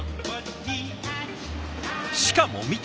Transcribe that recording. しかも見て。